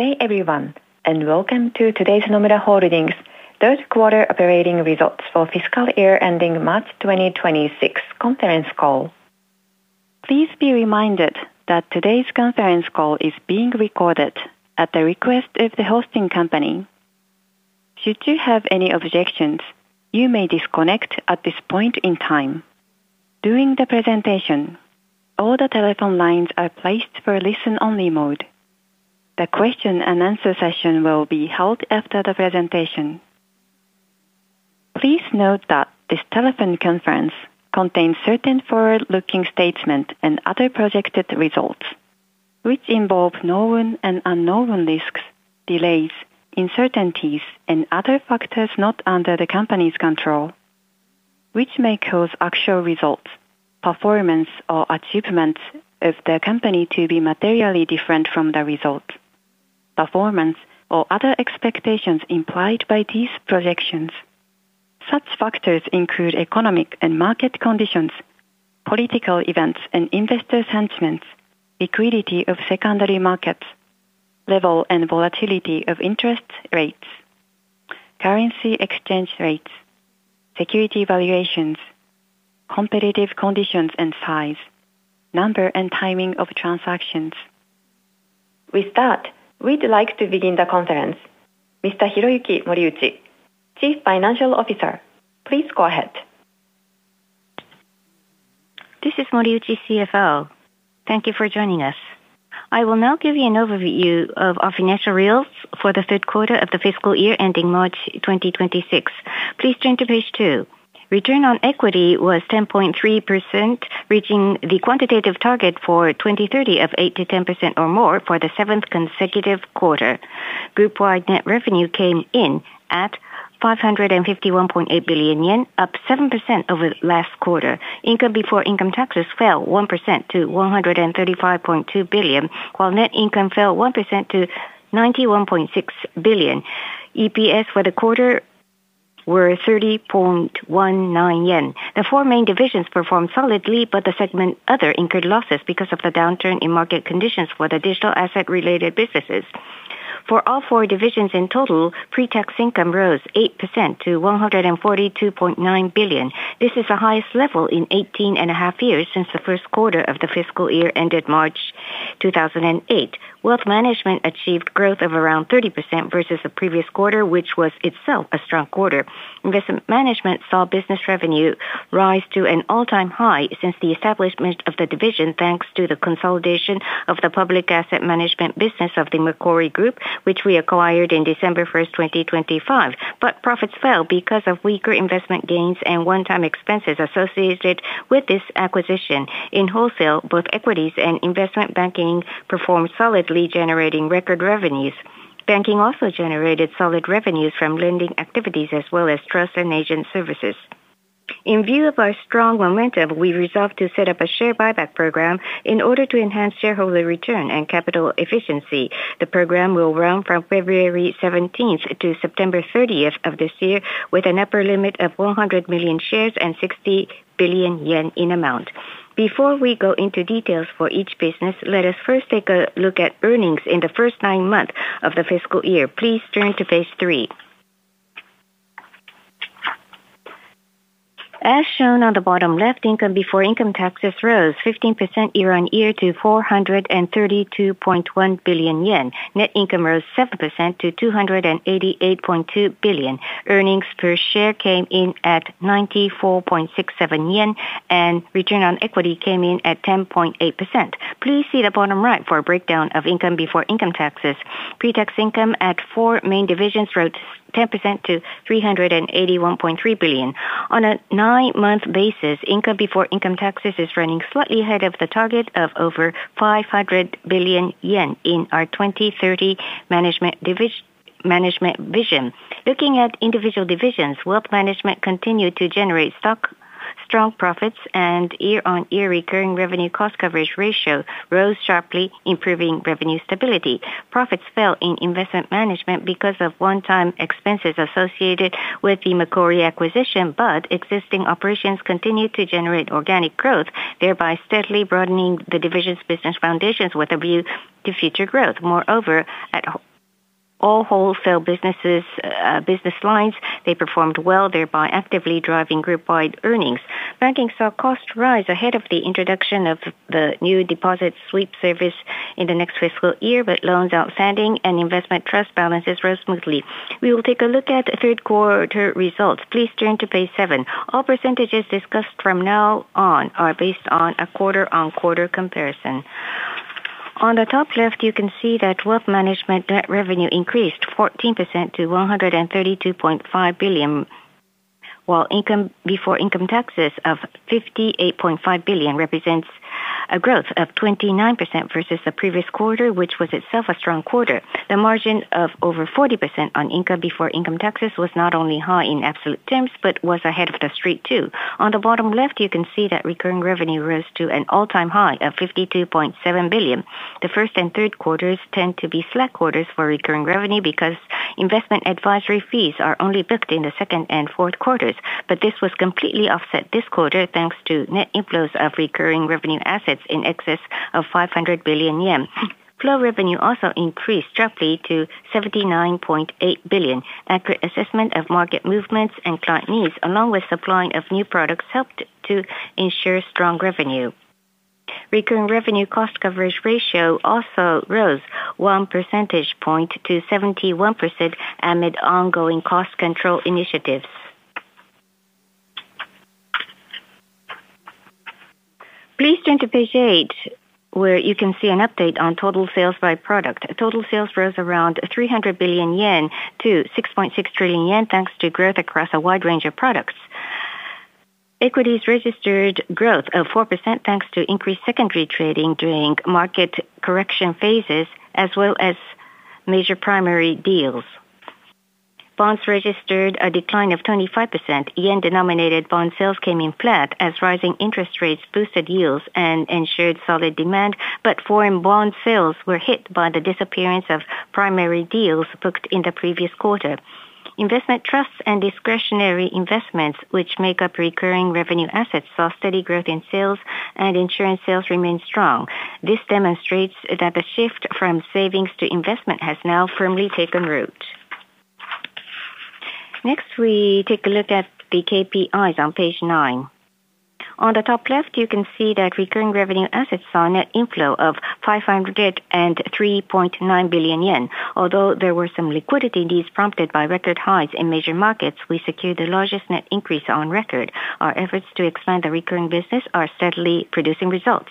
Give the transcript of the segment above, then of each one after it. Good day, everyone, and welcome to today's Nomura Holdings Third Quarter Operating Results for Fiscal Year Ending March 2026 Conference Call. Please be reminded that today's conference call is being recorded at the request of the hosting company. Should you have any objections, you may disconnect at this point in time. During the presentation, all the telephone lines are placed for listen-only mode. The question and answer session will be held after the presentation. Please note that this telephone conference contains certain forward-looking statements and other projected results, which involve known and unknown risks, delays, uncertainties, and other factors not under the company's control, which may cause actual results, performance, or achievements of the company to be materially different from the results, performance or other expectations implied by these projections. Such factors include economic and market conditions, political events and investor sentiments, liquidity of secondary markets, level and volatility of interest rates, currency exchange rates, security valuations, competitive conditions and size, number and timing of transactions. With that, we'd like to begin the conference. Mr. Hiroyuki Moriuchi, Chief Financial Officer, please go ahead. This is Moriuchi, CFO. Thank you for joining us. I will now give you an overview of our financial results for the third quarter of the fiscal year ending March 2026. Please turn to Page 2. Return on equity was 10.3%, reaching the quantitative target for 2030 of 8%-10% or more for the seventh consecutive quarter. Group-wide net revenue came in at 551.8 billion yen, up 7% over last quarter. Income before income taxes fell 1% to 135.2 billion, while net income fell 1% to 91.6 billion. EPS for the quarter were 30.19 yen. The four main divisions performed solidly, but the segment Other incurred losses because of the downturn in market conditions for the digital asset-related businesses. For all four divisions in total, pre-tax income rose 8% to 142.9 billion. This is the highest level in 18.5 years since the first quarter of the fiscal year ended March 2008. Wealth Management achieved growth of around 30% versus the previous quarter, which was itself a strong quarter. Investment Management saw business revenue rise to an all-time high since the establishment of the division, thanks to the consolidation of the public asset management business of the Macquarie Group, which we acquired in December 1, 2025. But profits fell because of weaker investment gains and one-time expenses associated with this acquisition. In Wholesale, both equities and investment Banking performed solidly, generating record revenues. Banking also generated solid revenues from lending activities as well as trust and agent services. In view of our strong momentum, we resolved to set up a share buyback program in order to enhance shareholder return and capital efficiency. The program will run from February 17 to September 30 of this year, with an upper limit of 100 million shares and 60 billion yen in amount. Before we go into details for each business, let us first take a look at earnings in the first nine months of the fiscal year. Please turn to Page 3. As shown on the bottom left, income before income taxes rose 15% year-on-year to 432.1 billion yen. Net income rose 7% to 288.2 billion. Earnings per share came in at 94.67 yen, and return on equity came in at 10.8%. Please see the bottom right for a breakdown of income before income taxes. Pre-tax income at four main divisions rose 10% to 381.3 billion. On a nine-month basis, income before income taxes is running slightly ahead of the target of over 500 billion yen in our 2030 management vision. Looking at individual divisions, wealth management continued to generate strong profits and year-on-year recurring revenue cost coverage ratio rose sharply, improving revenue stability. Profits fell in investment management because of one-time expenses associated with the Macquarie acquisition, but existing operations continued to generate organic growth, thereby steadily broadening the division's business foundations with a view to future growth. Moreover, at all wholesale businesses, business lines, they performed well, thereby actively driving group-wide earnings. Banking saw costs rise ahead of the introduction of the new deposit sweep service in the next fiscal year, but loans outstanding and investment trust balances rose smoothly. We will take a look at the third quarter results. Please turn to Page 7. All percentages discussed from now on are based on a quarter-on-quarter comparison. On the top left, you can see that wealth management net revenue increased 14% to 132.5 billion, while income before income taxes of 58.5 billion represents a growth of 29% versus the previous quarter, which was itself a strong quarter. The margin of over 40% on income before income taxes was not only high in absolute terms, but was ahead of The Street, too. On the bottom left, you can see that recurring revenue rose to an all-time high of 52.7 billion. The first and third quarters tend to be slack quarters for recurring revenue because investment Advisory fees are only booked in the second and fourth quarters. But this was completely offset this quarter, thanks to net inflows of recurring revenue assets in excess of 500 billion yen. Flow revenue also increased sharply to 79.8 billion. Accurate assessment of market movements and client needs, along with supplying of new products, helped to ensure strong revenue. Recurring revenue cost coverage ratio also rose 1 percentage point to 71% amid ongoing cost control initiatives. Please turn to Page 8, where you can see an update on total sales by product. Total sales rose around 300 billion yen to 6.6 trillion yen, thanks to growth across a wide range of products. Equities registered growth of 4%, thanks to increased secondary trading during market correction phases as well as major primary deals. Bonds registered a decline of 25%. Yen-denominated bond sales came in flat as rising interest rates boosted yields and ensured solid demand, but foreign bond sales were hit by the disappearance of primary deals booked in the previous quarter. Investment trusts and discretionary investments, which make up recurring revenue assets, saw steady growth in sales, and insurance sales remained strong. This demonstrates that the shift from savings to investment has now firmly taken root. Next, we take a look at the KPIs on Page 9. On the top left, you can see that recurring revenue assets saw a net inflow of 503.9 billion yen. Although there were some liquidity needs prompted by record highs in major markets, we secured the largest net increase on record. Our efforts to expand the recurring business are steadily producing results,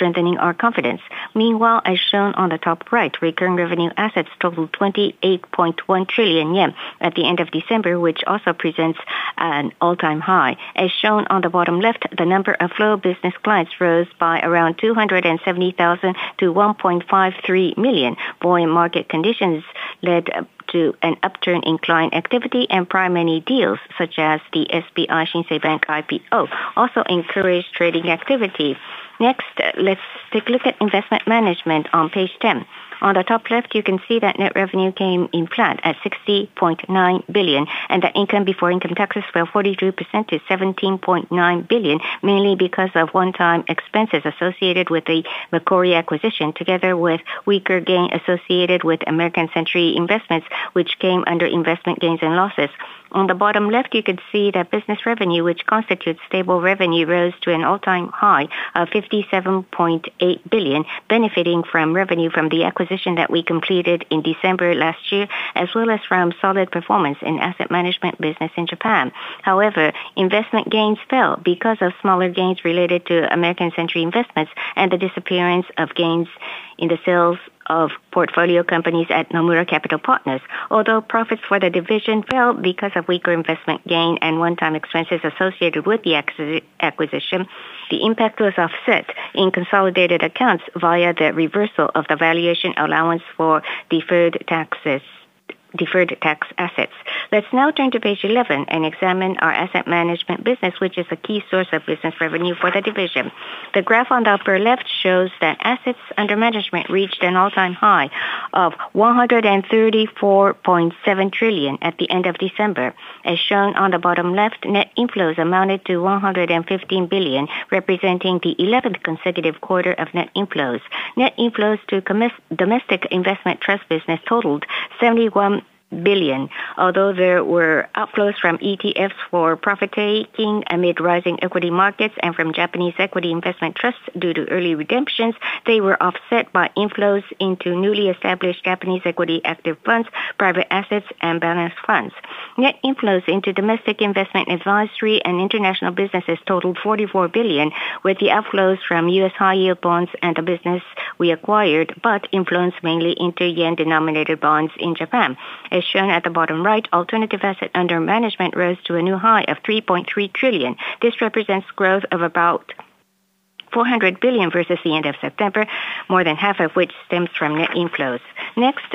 strengthening our confidence. Meanwhile, as shown on the top right, recurring revenue assets totaled 28.1 trillion yen at the end of December, which also presents an all-time high. As shown on the bottom left, the number of flow business clients rose by around 270,000 to 1.53 million. Buoyant market conditions led to an upturn in client activity, and primary deals, such as the SBI Shinsei Bank IPO, also encouraged trading activity. Next, let's take a look at Investment Management on Page 10. On the top left, you can see that net revenue came in flat at 60.9 billion, and the income before income taxes fell 42% to 17.9 billion, mainly because of one-time expenses associated with the Macquarie acquisition, together with weaker gain associated with American Century Investments, which came under investment gains and losses. On the bottom left, you can see that business revenue, which constitutes stable revenue, rose to an all-time high of 57.8 billion, benefiting from revenue from the acquisition that we completed in December last year, as well as from solid performance in asset management business in Japan. However, investment gains fell because of smaller gains related to American Century Investments and the disappearance of gains in the sales of portfolio companies at Nomura Capital Partners. Although profits for the division fell because of weaker investment gain and one-time expenses associated with the Macquarie acquisition, the impact was offset in consolidated accounts via the reversal of the valuation allowance for deferred tax assets. Let's now turn to Page 11 and examine our asset management business, which is a key source of business revenue for the division. The graph on the upper left shows that assets under management reached an all-time high of 134.7 trillion at the end of December. As shown on the bottom left, net inflows amounted to 115 billion, representing the eleventh consecutive quarter of net inflows. Net inflows to our domestic investment trust business totaled 71 billion. Although there were outflows from ETFs for profit-taking amid rising equity markets and from Japanese equity investment trusts due to early redemptions, they were offset by inflows into newly established Japanese equity active funds, private assets, and balanced funds. Net inflows into domestic investment advisory and international businesses totaled JPY 44 billion, with the outflows from U.S. high-yield bonds and the business we acquired, but inflows mainly into yen-denominated bonds in Japan. As shown at the bottom right, alternative asset under management rose to a new high of 3.3 trillion. This represents growth of about 400 billion versus the end of September, more than half of which stems from net inflows. Next,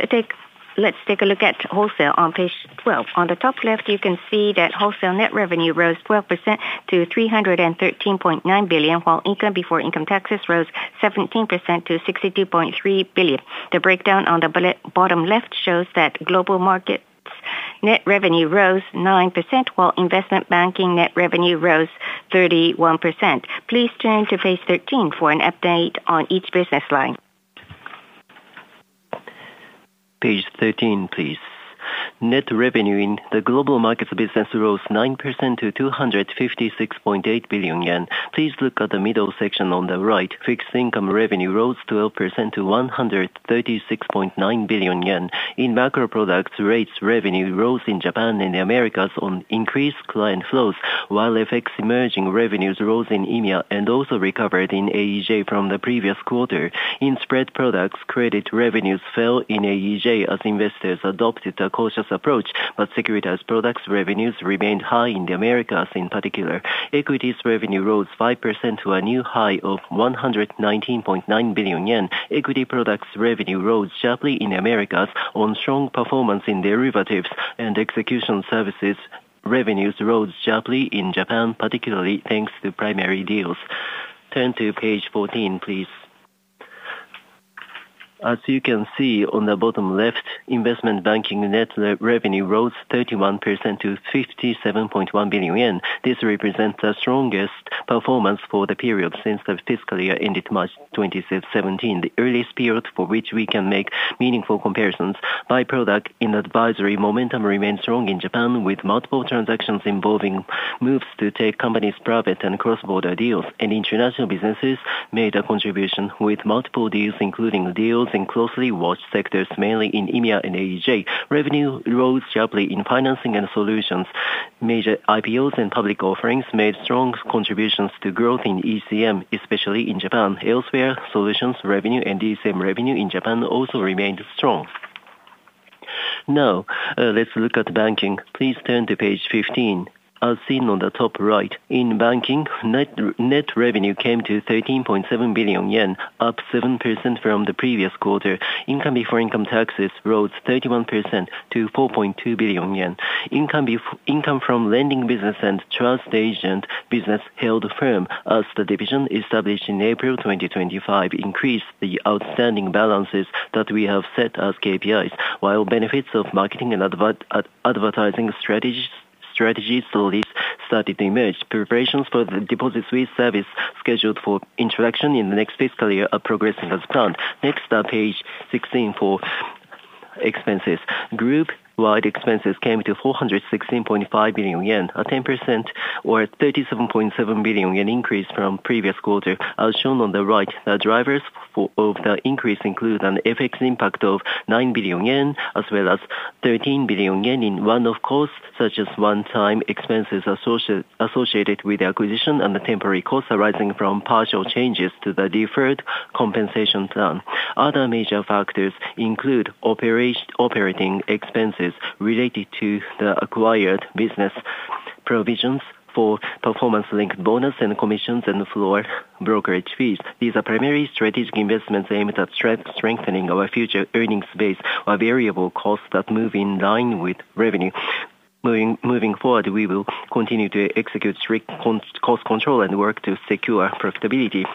let's take a look at Wholesale on Page 12. On the top left, you can see that Wholesale net revenue rose 12% to 313.9 billion, while income before income taxes rose 17% to 62.3 billion. The breakdown on the bottom left shows that Global Markets net revenue rose 9%, while Investment Banking net revenue rose 31%. Please turn to Page 13 for an update on each business line. Page 13, please. Net revenue in the global markets business rose 9% to 256.8 billion yen. Please look at the middle section on the right. Fixed income revenue rose 12% to 136.9 billion yen. In macro products, rates revenue rose in Japan and the Americas on increased client flows, while FX emerging revenues rose in EMEA and also recovered in AEJ from the previous quarter. In spread products, credit revenues fell in AEJ as investors adopted a cautious approach, but securities products revenues remained high in the Americas in particular. Equities revenue rose 5% to a new high of 119.9 billion yen. Equity products revenue rose sharply in the Americas on strong performance in derivatives and execution services. Revenues rose sharply in Japan, particularly thanks to primary deals. Turn to Page 14, please. As you can see on the bottom left, investment banking net revenue rose 31% to 57.1 billion yen. This represents the strongest performance for the period since the fiscal year ended March 2017, the earliest period for which we can make meaningful comparisons. By product, in advisory, momentum remained strong in Japan, with multiple transactions involving moves to take companies private and cross-border deals, and international businesses made a contribution with multiple deals, including deals in closely watched sectors, mainly in EMEA and AEJ. Revenue rose sharply in Financing and Solutions. Major IPOs and public offerings made strong contributions to growth in ECM, especially in Japan. Elsewhere, solutions revenue and ECM revenue in Japan also remained strong. Now, let's look at banking. Please turn to Page 15. As seen on the top right, in banking, net revenue came to 13.7 billion yen, up 7% from the previous quarter. Income before income taxes rose 31% to 4.2 billion yen. Income from lending business and trust agent business held firm as the division established in April 2025 increased the outstanding balances that we have set as KPIs, while benefits of marketing and advertising strategies released started to emerge. Preparations for the deposit sweep service, scheduled for introduction in the next fiscal year, are progressing as planned. Next, Page 16 for expenses. Group-wide expenses came to 416.5 billion yen, a 10% or 37.7 billion yen increase from previous quarter. As shown on the right, the drivers of the increase include an FX impact of 9 billion yen, as well as 13 billion yen in one-off costs, such as one-time expenses associated with the acquisition and the temporary costs arising from partial changes to the deferred compensation plan. Other major factors include operating expenses related to the acquired business, provisions for performance-linked bonus and commissions, and floor brokerage fees. These are primarily strategic investments aimed at strengthening our future earnings base, while variable costs that move in line with revenue. Moving forward, we will continue to execute strict cost control and work to secure profitability.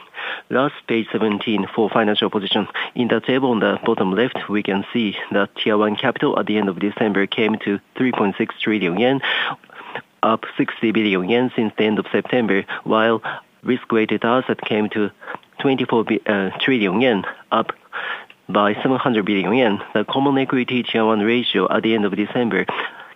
Last, Page 17 for financial position. In the table on the bottom left, we can see that Tier 1 Capital at the end of December came to 3.6 trillion yen, up 60 billion yen since the end of September, while risk-weighted assets came to 24 trillion yen, up by 700 billion yen. The Common Equity Tier 1 ratio at the end of December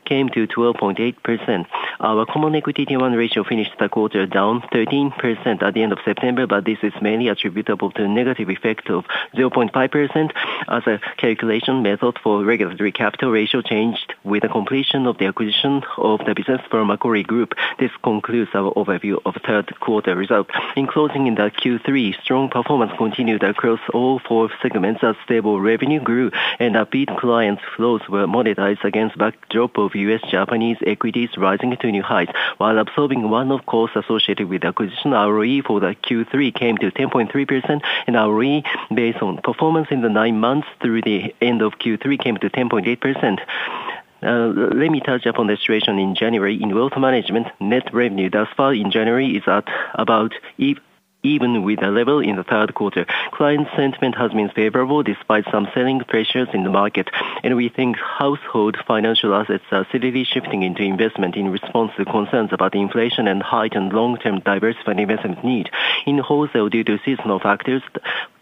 came to 12.8%. Our Common Equity Tier 1 ratio finished the quarter down 13% at the end of September, but this is mainly attributable to a negative effect of 0.5%, as a calculation method for regulatory capital ratio changed with the completion of the acquisition of the business from Macquarie Group. This concludes our overview of third quarter results. In closing in the Q3, strong performance continued across all four segments as stable revenue grew, and upbeat client flows were monetized against backdrop of U.S. Japanese equities rising to new heights. While absorbing one-off costs associated with acquisition, ROE for the Q3 came to 10.3%, and ROE based on performance in the nine months through the end of Q3 came to 10.8%. Let me touch upon the situation in January. In wealth management, net revenue thus far in January is at about even with the level in the third quarter. Client sentiment has been favorable despite some selling pressures in the market, and we think household financial assets are steadily shifting into investment in response to concerns about inflation and heightened long-term diversified investment need. In Wholesale, due to seasonal factors,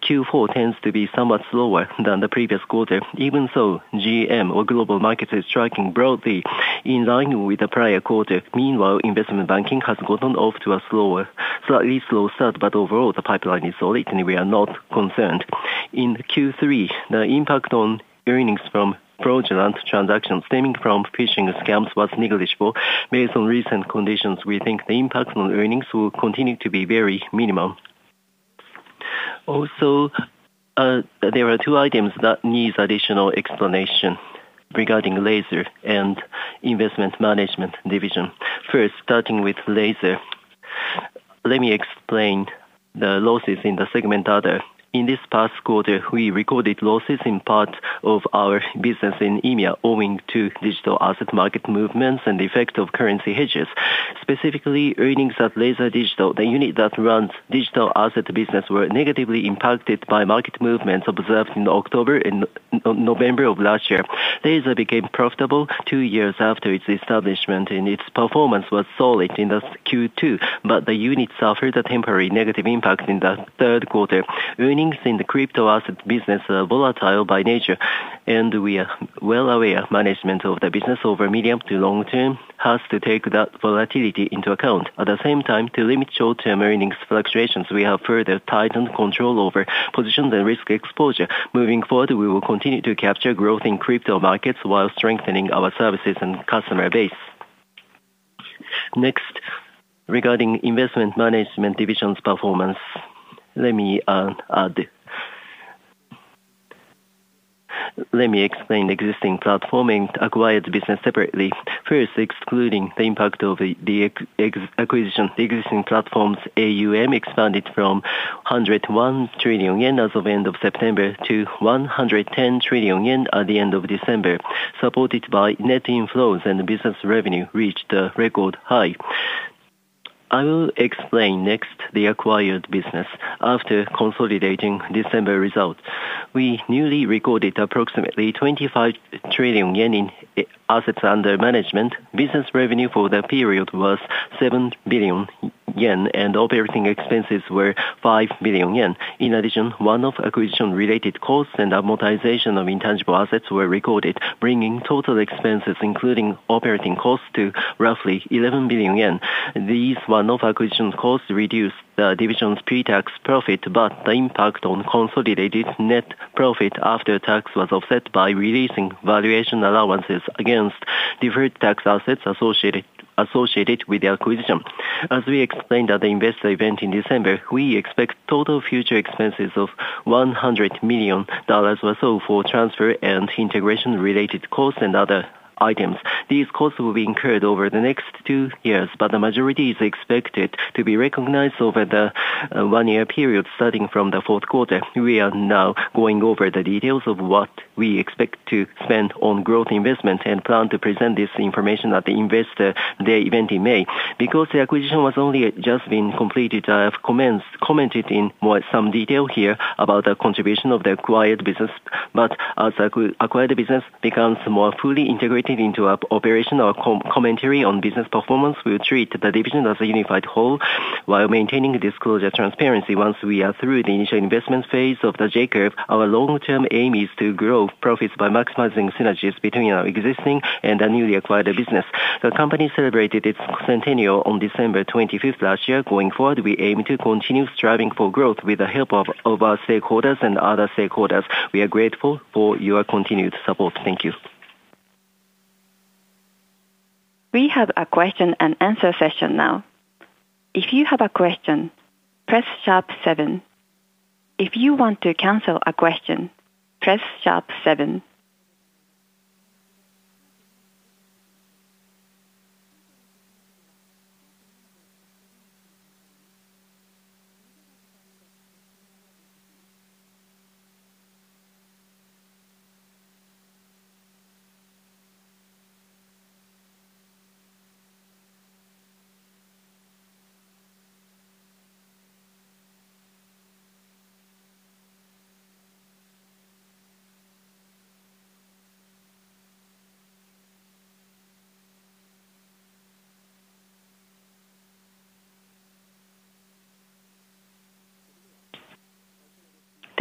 Q4 tends to be somewhat slower than the previous quarter. Even so, GM or Global Markets is tracking broadly in line with the prior quarter. Meanwhile, Investment Banking has gotten off to a slower, slightly slower start, but overall, the pipeline is solid, and we are not concerned. In Q3, the impact on earnings from fraudulent transactions stemming from phishing scams was negligible. Based on recent conditions, we think the impact on earnings will continue to be very minimum. Also, there are two items that needs additional explanation regarding Laser and Investment Management division. First, starting with Laser, let me explain the losses in the segment other. In this past quarter, we recorded losses in part of our business in EMEA, owing to digital asset market movements and the effect of currency hedges. Specifically, earnings at Laser Digital, the unit that runs digital asset business, were negatively impacted by market movements observed in October and November of last year. Laser became profitable two years after its establishment, and its performance was solid in the Q2, but the unit suffered a temporary negative impact in the third quarter. Earnings in the crypto asset business are volatile by nature, and we are well aware management of the business over medium to long term has to take that volatility into account. At the same time, to limit short-term earnings fluctuations, we have further tightened control over positions and risk exposure. Moving forward, we will continue to capture growth in crypto markets while strengthening our services and customer base. Next, regarding Investment Management division's performance, let me add. Let me explain the existing platform and acquired business separately. First, excluding the impact of the acquisition, the existing platforms, AUM expanded from 101 trillion yen as of end of September to 110 trillion yen at the end of December, supported by net inflows, and business revenue reached a record high. I will explain next the acquired business after consolidating December results. We newly recorded approximately 25 trillion yen in assets under management. Business revenue for the period was 7 billion yen, and operating expenses were 5 billion yen. In addition, one-off acquisition-related costs and amortization of intangible assets were recorded, bringing total expenses, including operating costs, to roughly 11 billion yen. These one-off acquisition costs reduced the division's pre-tax profit, but the impact on consolidated net profit after tax was offset by releasing valuation allowances against deferred tax assets associated with the acquisition. As we explained at the investor event in December, we expect total future expenses of $100 million or so for transfer and integration-related costs and other items. These costs will be incurred over the next two years, but the majority is expected to be recognized over the one-year period starting from the fourth quarter. We are now going over the details of what we expect to spend on growth investment and plan to present this information at the investor day event in May. Because the acquisition was only just been completed, I have commented in more some detail here about the contribution of the acquired business. But as acquired business becomes more fully integrated into our operation, our commentary on business performance, we will treat the division as a unified whole while maintaining disclosure transparency. Once we are through the initial investment phase of the J-Curve, our long-term aim is to grow profits by maximizing synergies between our existing and the newly acquired business. The company celebrated its centennial on December 25th last year. Going forward, we aim to continue striving for growth with the help of our stakeholders and other stakeholders. We are grateful for your continued support. Thank you. We have a question-and-answer session now. If you have a question, press sharp seven. If you want to cancel a question, press sharp seven.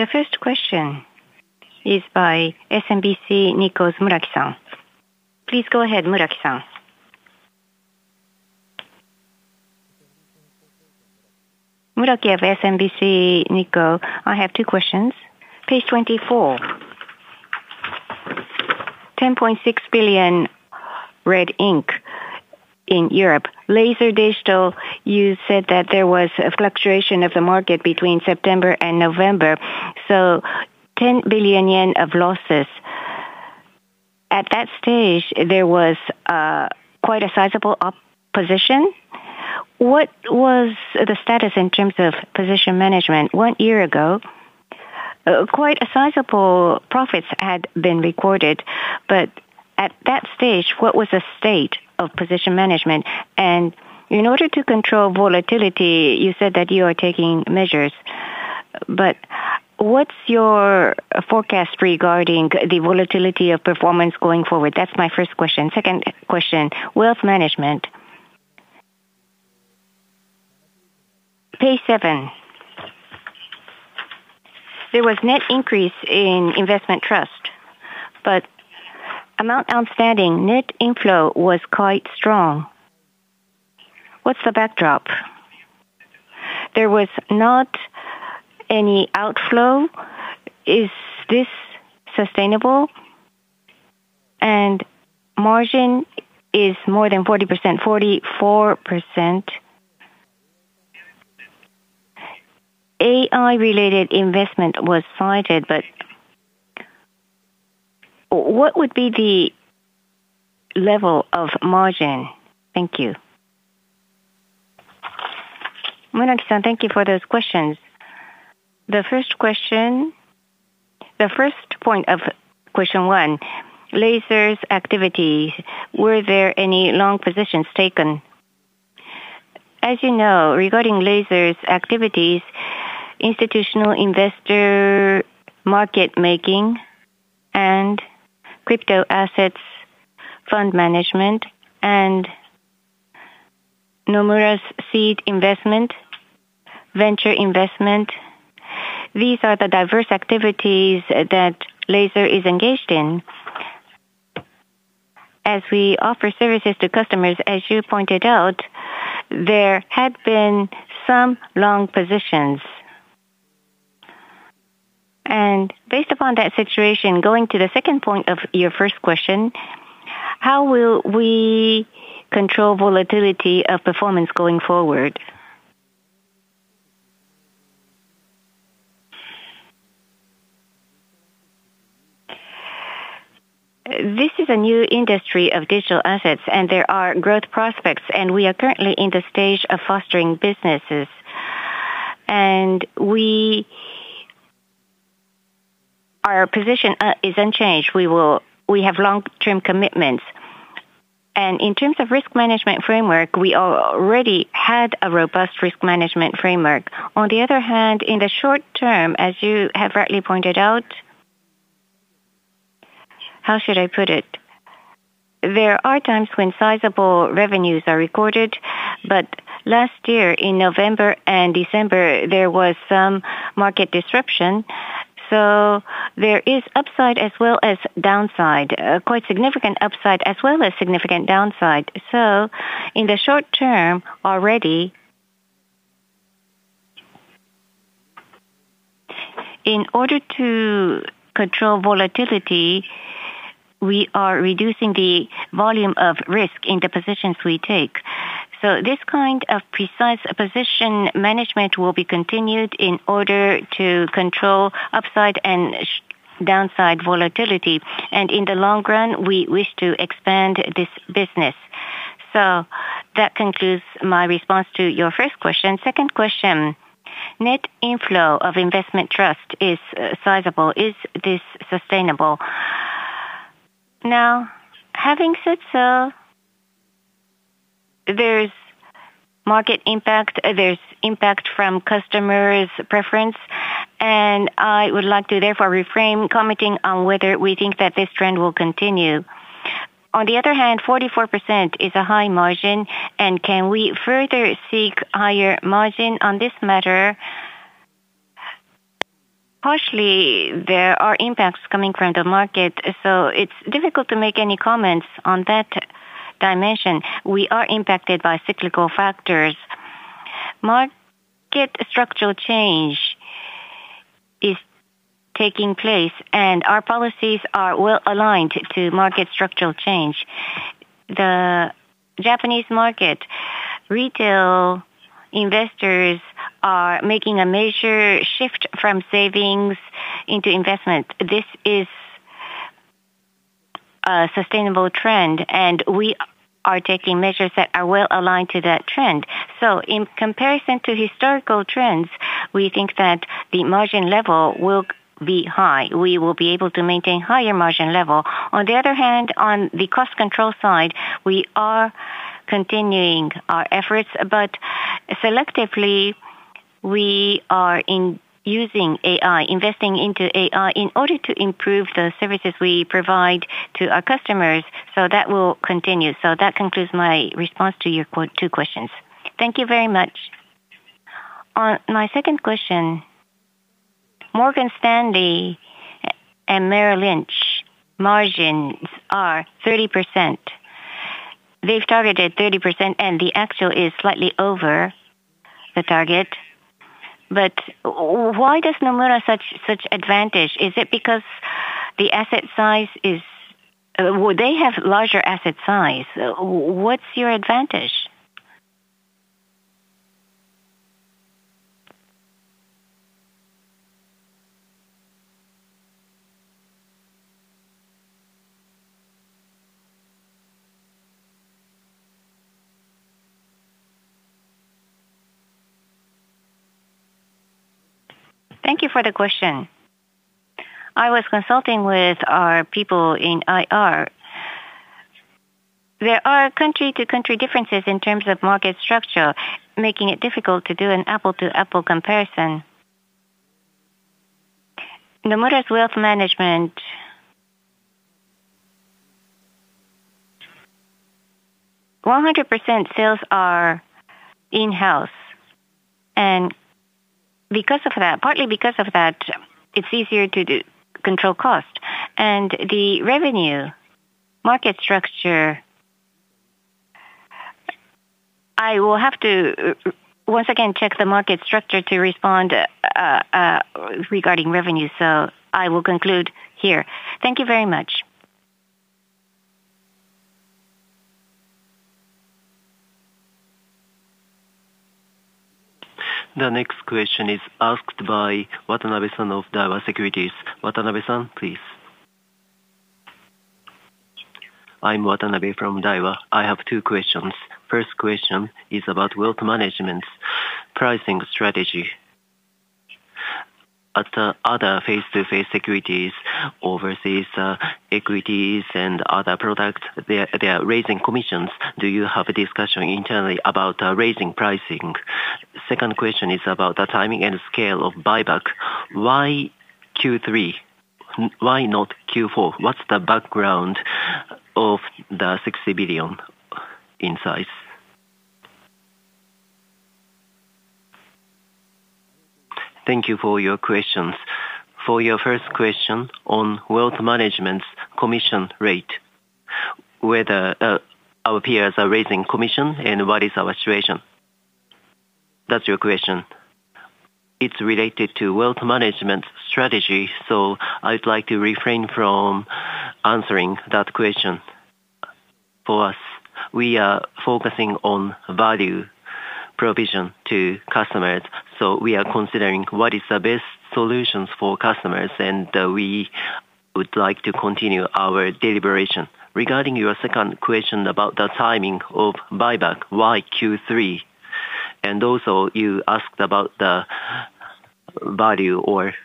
The first question is by SMBC Nikko's Muraki-san. Please go ahead, Muraki-san. Muraki of SMBC Nikko. I have two questions. Page 24, 10.6 billion red ink in Europe. Laser Digital, you said that there was a fluctuation of the market between September and November, so 10 billion yen of losses. At that stage, there was quite a sizable opposition. What was the status in terms of position management? One year ago, quite a sizable profits had been recorded, but at that stage, what was the state of position management? And in order to control volatility, you said that you are taking measures, but what's your forecast regarding the volatility of performance going forward? That's my first question. Second question, Wealth Management. Page 7. There was net increase in investment trust, but amount outstanding net inflow was quite strong. What's the backdrop? There was not any outflow. Is this sustainable? And margin is more than 40%, 44%. AI-related investment was cited, but what would be the level of margin? Thank you. Muraki-san, thank you for those questions. The first question, the first point of question one, Laser's activities, were there any long positions taken? As you know, regarding Laser's activities, institutional investor market making and crypto assets fund management and Nomura's seed investment, venture investment, these are the diverse activities that Laser is engaged in. As we offer services to customers, as you pointed out, there had been some long positions. And based upon that situation, going to the second point of your first question, how will we control volatility of performance going forward? This is a new industry of digital assets, and there are growth prospects, and we are currently in the stage of fostering businesses. And we- ...Our position is unchanged. We have long-term commitments. And in terms of risk management framework, we already had a robust risk management framework. On the other hand, in the short term, as you have rightly pointed out, how should I put it? There are times when sizable revenues are recorded, but last year, in November and December, there was some market disruption, so there is upside as well as downside, quite significant upside as well as significant downside. So in the short term, already, in order to control volatility, we are reducing the volume of risk in the positions we take. So this kind of precise position management will be continued in order to control upside and downside volatility, and in the long run, we wish to expand this business. So that concludes my response to your first question. Second question, net inflow of investment trust is sizable. Is this sustainable? Now, having said so, there's market impact, there's impact from customers' preference, and I would like to therefore refrain commenting on whether we think that this trend will continue. On the other hand, 44% is a high margin, and can we further seek higher margin on this matter? Partially, there are impacts coming from the market, so it's difficult to make any comments on that dimension. We are impacted by cyclical factors. Market structural change is taking place, and our policies are well aligned to market structural change. The Japanese market, retail investors are making a major shift from savings into investment. This is a sustainable trend, and we are taking measures that are well aligned to that trend. So in comparison to historical trends, we think that the margin level will be high. We will be able to maintain higher margin level. On the other hand, on the cost control side, we are continuing our efforts, but selectively, we are in using AI, investing into AI, in order to improve the services we provide to our customers, so that will continue. So that concludes my response to your two questions. Thank you very much. On my second question, Morgan Stanley and Merrill Lynch margins are 30%. They've targeted 30%, and the actual is slightly over the target. But why does Nomura such advantage? Is it because the asset size is... Well, they have larger asset size. What's your advantage? Thank you for the question. I was consulting with our people in IR. There are country-to-country differences in terms of market structure, making it difficult to do an apple-to-apple comparison. Nomura's Wealth Management, 100% sales are in-house, and because of that, partly because of that, it's easier to do control cost. And the revenue market structure, I will have to, once again, check the market structure to respond, regarding revenue. So I will conclude here. Thank you very much. The next question is asked by Watanabe-san of Daiwa Securities. Watanabe-san, please. I'm Watanabe from Daiwa. I have two questions. First question is about wealth management pricing strategy. At other full-service securities overseas, equities and other products, they are raising commissions. Do you have a discussion internally about raising pricing? Second question is about the timing and scale of buyback. Why Q3? Why not Q4? What's the background of the 60 billion in size? Thank you for your questions. For your first question on wealth management commission rate, whether our peers are raising commission and what is our situation, that's your question. It's related to wealth management strategy, so I'd like to refrain from answering that question. For us, we are focusing on value provision to customers, so we are considering what is the best solutions for customers, and we would like to continue our deliberation. Regarding your second question about the timing of buyback, why Q3? Also you asked about the value or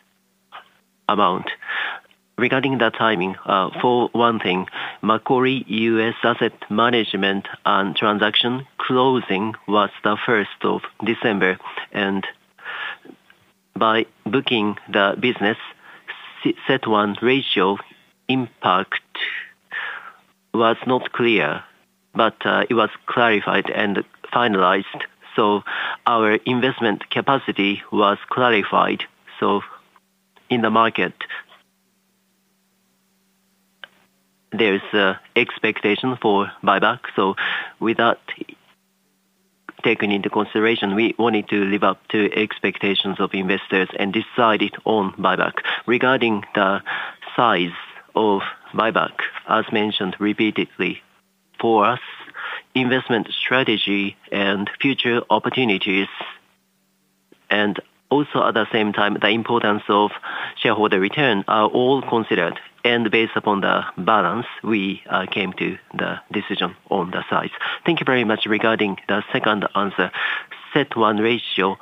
amount. Regarding the timing, for one thing, Macquarie U.S. Asset Management and transaction closing was the first of December, and by booking the business, CET1 ratio impact was not clear, but it was clarified and finalized. So our investment capacity was clarified. So in the market, there is a expectation for buyback. So with that taken into consideration, we wanted to live up to expectations of investors and decided on buyback. Regarding the size of buyback, as mentioned repeatedly, for us, investment strategy and future opportunities, and also at the same time, the importance of shareholder return are all considered and based upon the balance, we came to the decision on the size. Thank you very much. Regarding the second answer, CET1 ratio,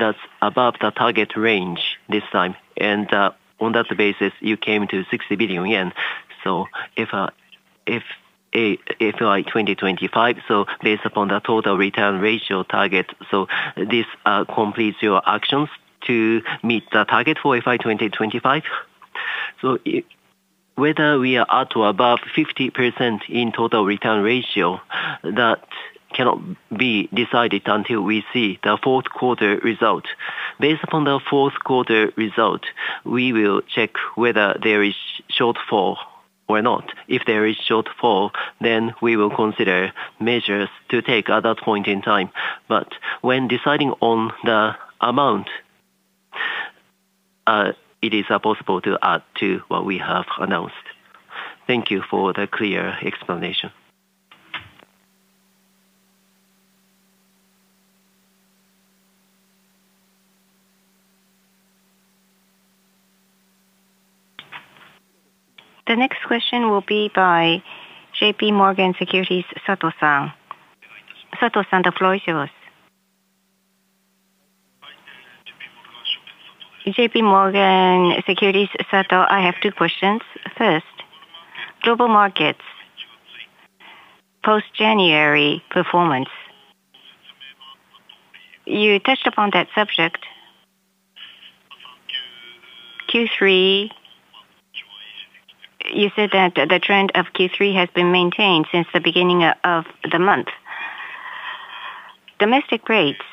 that's above the target range this time, and on that basis, you came to 60 billion yen. So if FY 2025, so based upon the total return ratio target, so this completes your actions to meet the target for FY 2025? So whether we are at or above 50% in total return ratio, that cannot be decided until we see the fourth quarter result. Based upon the fourth quarter result, we will check whether there is shortfall or not. If there is shortfall, then we will consider measures to take at that point in time. But when deciding on the amount, it is possible to add to what we have announced. Thank you for the clear explanation. The next question will be by J.P. Morgan Securities, Sato-san. Sato-san, the floor is yours. J.P. Morgan Securities, Sato. J.P. Morgan Securities, Sato, I have two questions. First, global markets, post-January performance. You touched upon that subject. Q3, you said that the trend of Q3 has been maintained since the beginning of the month. Domestic rates.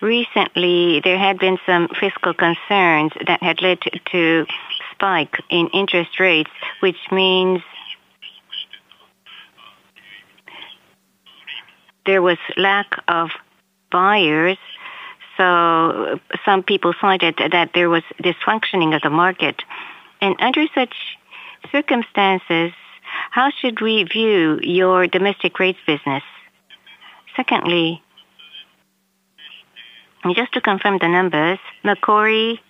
Recently, there have been some fiscal concerns that had led to spike in interest rates, which means there was lack of buyers, so some people cited that there was dysfunctioning of the market. Under such circumstances, how should we view your domestic rates business? Secondly, just to confirm the numbers, Macquarie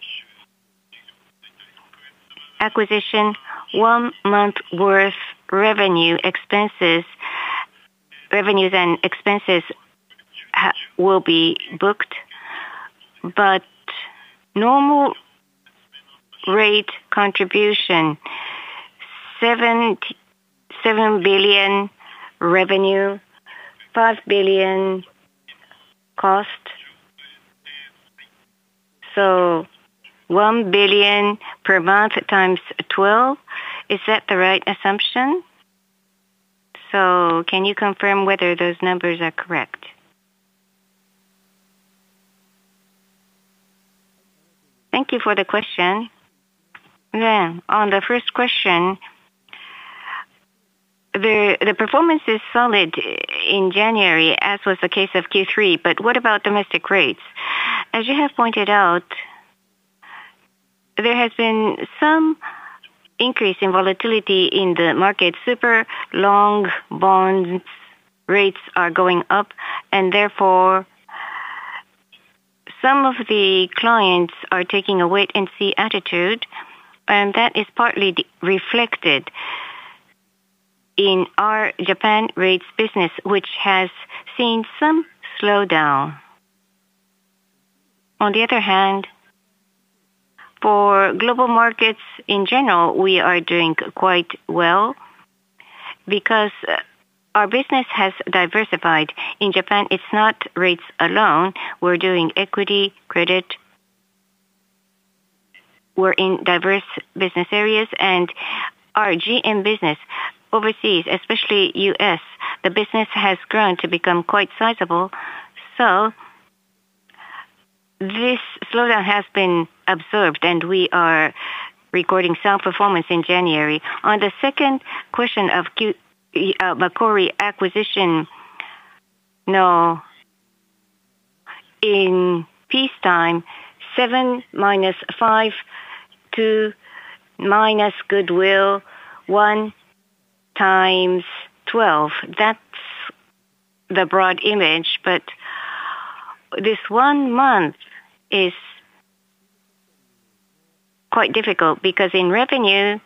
acquisition, one month worth revenue, expenses, revenues and expenses will be booked, but normal rate contribution, 77 billion revenue, 5 billion cost. So 1 billion per month times 12. Is that the right assumption? So can you confirm whether those numbers are correct? Thank you for the question. On the first question, the performance is solid in January, as was the case of Q3, but what about domestic rates? As you have pointed out, there has been some increase in volatility in the market. Super long bonds rates are going up, and therefore, some of the clients are taking a wait and see attitude, and that is partly reflected in our Japan rates business, which has seen some slowdown. On the other hand, for Global Markets in general, we are doing quite well because our business has diversified. In Japan, it's not rates alone. We're doing equity, credit. We're in diverse business areas, and our GM business overseas, especially U.S., the business has grown to become quite sizable. So this slowdown has been absorbed and we are recording sound performance in January. On the second question of Q&A, Macquarie acquisition, now, in peacetime, seven minus five, two, minus goodwill, one times 12. That's the broad image, but this one month is-... quite difficult because in revenue,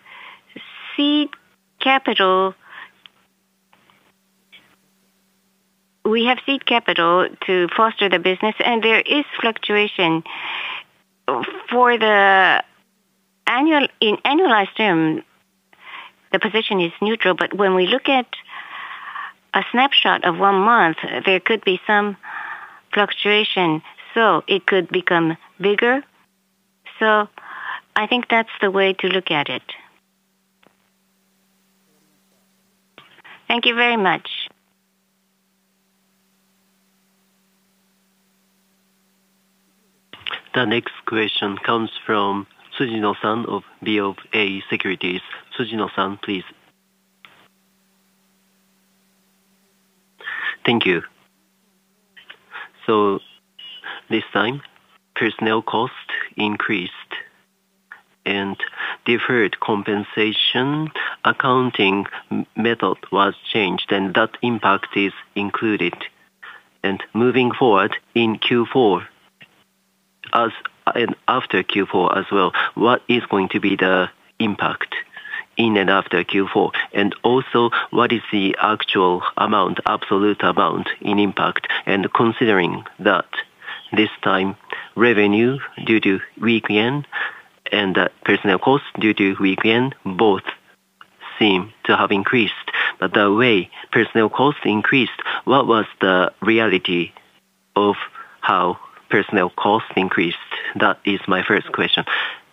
seed capital, we have seed capital to foster the business, and there is fluctuation. For the annual, in annualized term, the position is neutral, but when we look at a snapshot of one month, there could be some fluctuation, so it could become bigger. So I think that's the way to look at it. Thank you very much. The next question comes from Tsujino San of BofA Securities. Tsujino San, please. Thank you. So this time, personnel cost increased and deferred compensation, accounting method was changed, and that impact is included. And moving forward, in Q4, and after Q4 as well, what is going to be the impact in and after Q4? And also, what is the actual amount, absolute amount in impact? Considering that this time revenue due to weak yen and personnel costs due to weak yen both seem to have increased. But the way personnel cost increased, what was the reality of how personnel cost increased? That is my first question,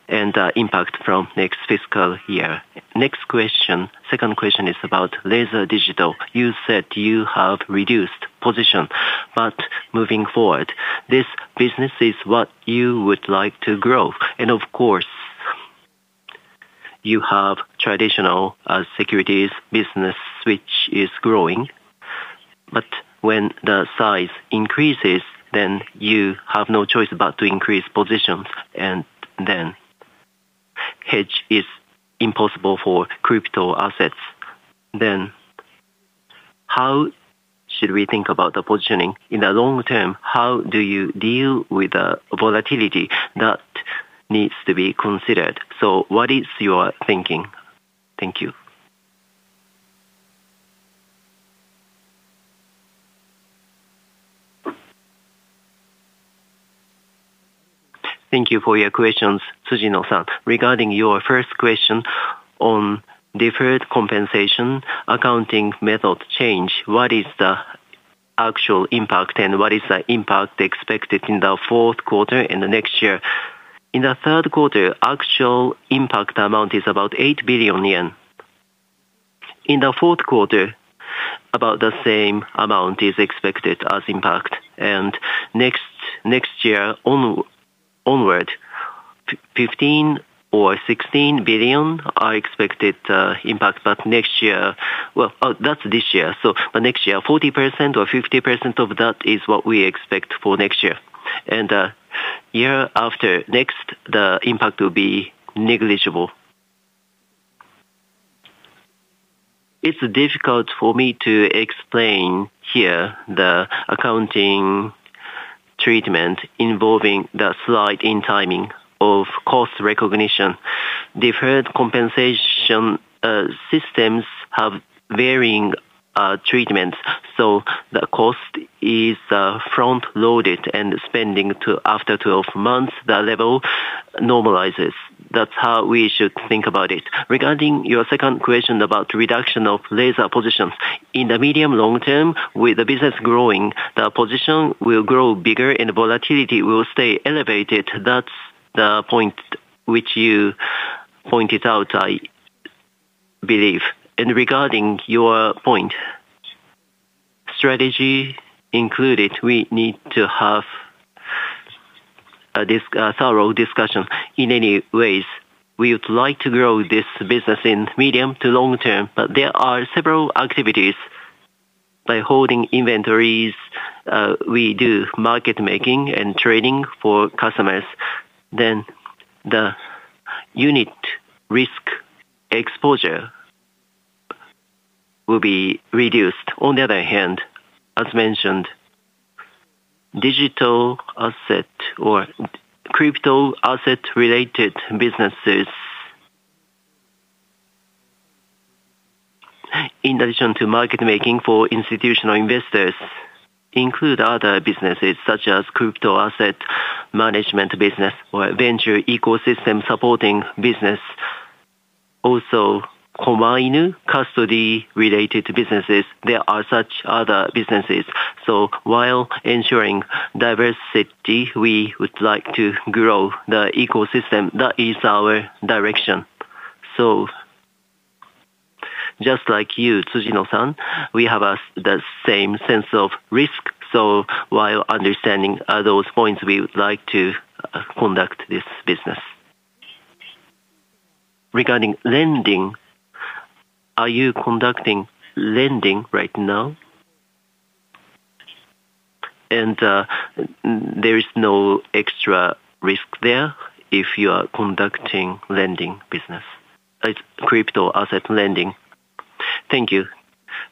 and, impact from next fiscal year. Next question, second question is about Laser Digital. You said you have reduced position, but moving forward, this business is what you would like to grow. And of course, you have traditional, securities business, which is growing, but when the size increases, then you have no choice but to increase positions, and then hedge is impossible for crypto assets. Then, how should we think about the positioning in the long term? How do you deal with the volatility that needs to be considered? So what is your thinking? Thank you. Thank you for your questions, Tsujino San. Regarding your first question on deferred compensation, accounting method change, what is the actual impact and what is the impact expected in the fourth quarter and the next year? In the third quarter, actual impact amount is about 8 billion yen. In the fourth quarter, about the same amount is expected as impact, and next year onward, 15 or 16 billion are expected, impact. But next year, well, that's this year, so but next year, 40% or 50% of that is what we expect for next year. And, year after next, the impact will be negligible. It's difficult for me to explain here the accounting treatment involving the slide in timing of cost recognition. Deferred compensation, systems have varying, treatments, so the cost is, front-loaded and spending to after 12 months, the level normalizes. That's how we should think about it. Regarding your second question about reduction of Laser positions. In the medium, long term, with the business growing, the position will grow bigger and the volatility will stay elevated. That's the point which you pointed out, I believe. And regarding your point, strategy included, we need to have a thorough discussion in many ways. We would like to grow this business in medium to long term, but there are several activities. By holding inventories, we do market making and trading for customers, then the unit risk exposure will be reduced. On the other hand, as mentioned, digital asset or crypto asset-related businesses, in addition to market making for institutional investors, include other businesses such as crypto asset management business or venture ecosystem supporting business. Also, Komainu custody-related businesses. There are such other businesses, so while ensuring diversity, we would like to grow the ecosystem. That is our direction. So just like you, Tsujino-san, we have the same sense of risk. So while understanding those points, we would like to conduct this business. Regarding lending, are you conducting lending right now? And there is no extra risk there if you are conducting lending business, like crypto asset lending. Thank you.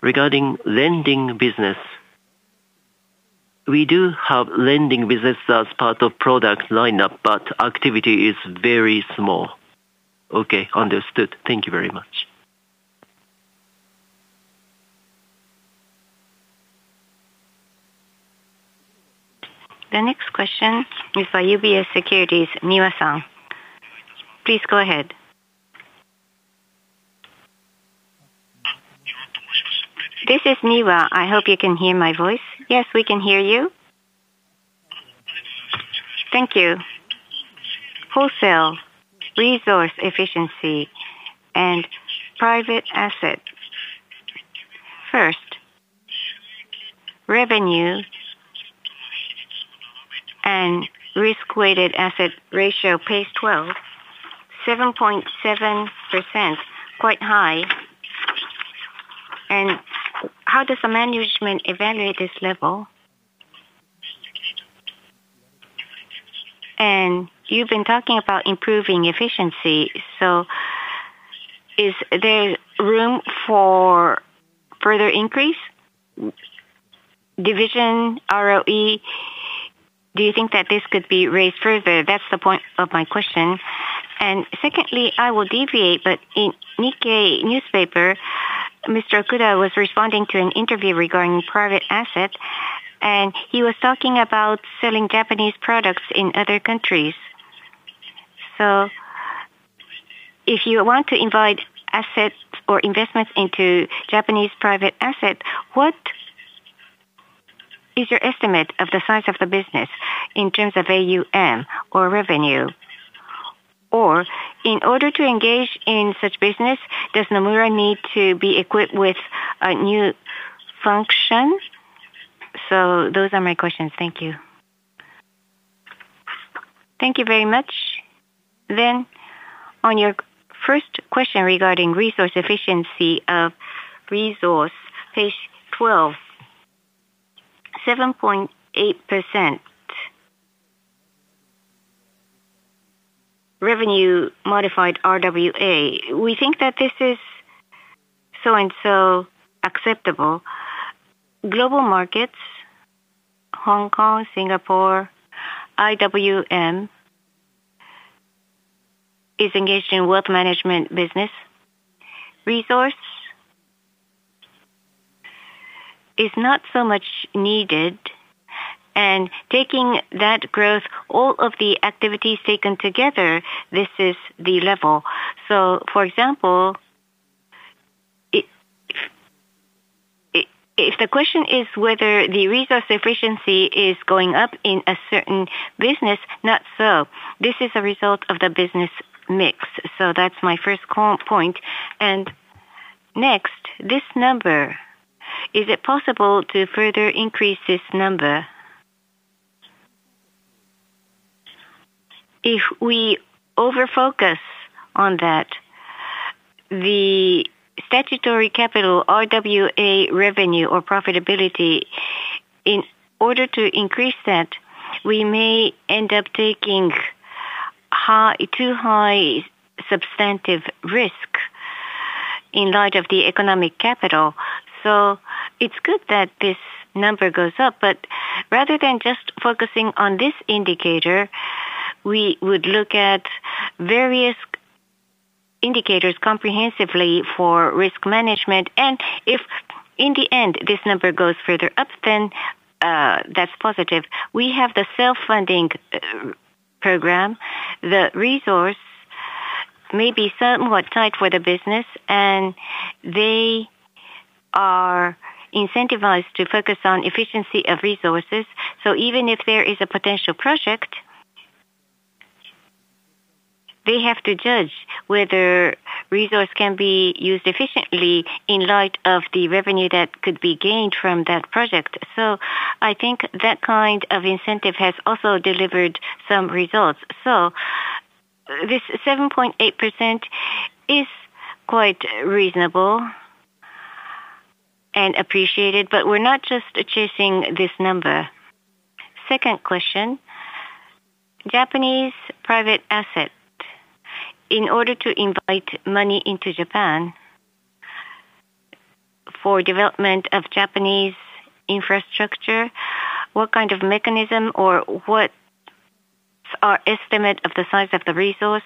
Regarding lending business... We do have lending business as part of product lineup, but activity is very small. Okay, understood. Thank you very much. The next question is by UBS Securities, Miwa-san. Please go ahead. This is Miwa. I hope you can hear my voice. Yes, we can hear you. Thank you. Wholesale resource efficiency and private asset. First, revenue and risk-weighted asset ratio, Page 12, 7.7%, quite high. And how does the management evaluate this level? And you've been talking about improving efficiency, so is there room for further increase? Division ROE, do you think that this could be raised further? That's the point of my question. And secondly, I will deviate, but in Nikkei newspaper, Mr. Okuda was responding to an interview regarding private asset, and he was talking about selling Japanese products in other countries. So if you want to invite assets or investments into Japanese private asset, what is your estimate of the size of the business in terms of AUM or revenue? Or in order to engage in such business, does Nomura need to be equipped with a new function? So those are my questions. Thank you. Thank you very much. Then, on your first question regarding resource efficiency of resource, Page 12, 7.8%. Revenue modified RWA, we think that this is so and so acceptable. Global markets, Hong Kong, Singapore, IWM, is engaged in wealth management business. Resource is not so much needed, and taking that growth, all of the activities taken together, this is the level. So for example, if the question is whether the resource efficiency is going up in a certain business, not so. This is a result of the business mix. So that's my first comment. And next, this number, is it possible to further increase this number? If we over-focus on that, the statutory capital, RWA revenue or profitability, in order to increase that, we may end up taking high, too high substantive risk in light of the economic capital. So it's good that this number goes up, but rather than just focusing on this indicator, we would look at various indicators comprehensively for risk management. And if in the end, this number goes further up, then, that's positive. We have the self-funding program. The resource may be somewhat tight for the business, and they are incentivized to focus on efficiency of resources. So even if there is a potential project, they have to judge whether resource can be used efficiently in light of the revenue that could be gained from that project. So I think that kind of incentive has also delivered some results. So this 7.8% is quite reasonable and appreciated, but we're not just chasing this number. Second question, Japanese private asset, in order to invite money into Japan for development of Japanese infrastructure, what kind of mechanism or what's our estimate of the size of the resource?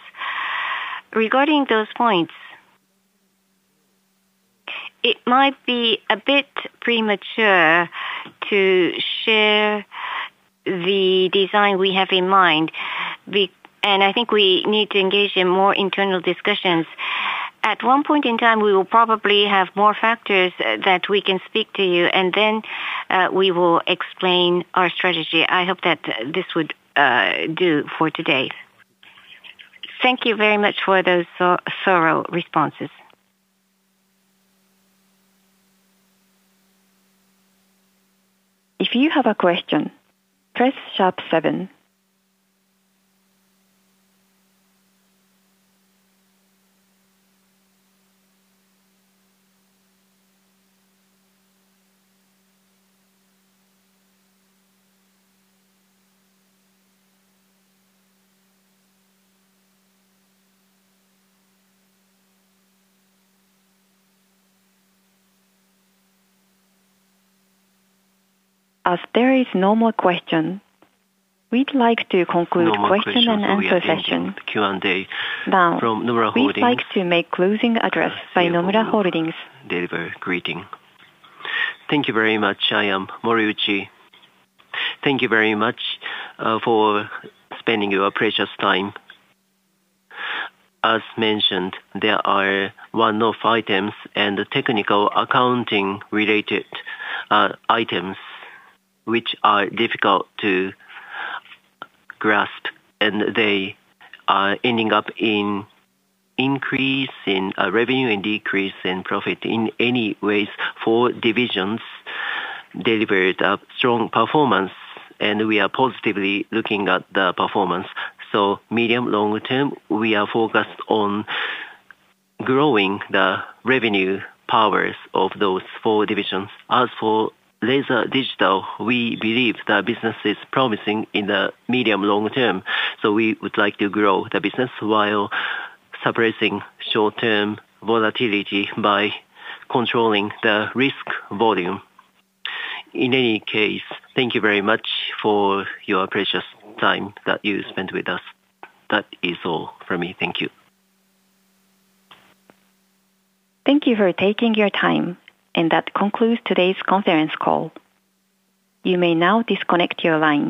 Regarding those points, it might be a bit premature to share the design we have in mind. We and I think we need to engage in more internal discussions. At one point in time, we will probably have more factors that we can speak to you, and then we will explain our strategy. I hope that this would do for today. Thank you very much for those thorough, thorough responses. If you have a question, press sharp seven. As there is no more question, we'd like to conclude question and answer session. No more question, so we are ending Q&A from Nomura Holdings. Now, we'd like to make closing address by Nomura Holdings. Thank you very much. I am Moriuchi. Thank you very much for spending your precious time. As mentioned, there are one-off items and technical accounting-related items which are difficult to grasp, and they are ending up in increase in revenue and decrease in profit. In any ways, four divisions delivered a strong performance, and we are positively looking at the performance. So medium, long term, we are focused on growing the revenue powers of those four divisions. As for Laser Digital, we believe the business is promising in the medium, long term, so we would like to grow the business while suppressing short-term volatility by controlling the risk volume. In any case, thank you very much for your precious time that you spent with us. That is all from me. Thank you. Thank you for taking your time, and that concludes today's conference call. You may now disconnect your line.